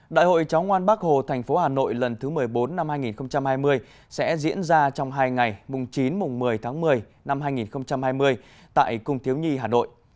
đại hội cháu ngoan bắc hồ tp hà nội lần thứ một mươi bốn năm hai nghìn hai mươi sẽ diễn ra trong hai ngày chín một mươi một mươi năm hai nghìn hai mươi tại cung thiếu nhi hà nội